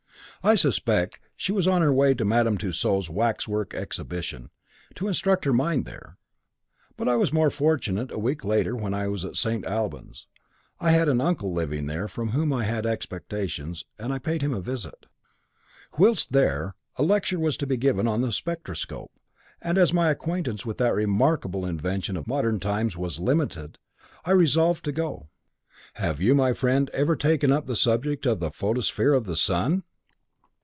I suspect she was on her way to Madame Tussaud's waxwork exhibition, to instruct her mind there. But I was more fortunate a week later when I was at St. Albans. I had an uncle living there from whom I had expectations, and I paid him a visit. Whilst there, a lecture was to be given on the spectroscope, and as my acquaintance with that remarkable invention of modern times was limited, I resolved to go. Have you, my friend, ever taken up the subject of the photosphere of the sun?"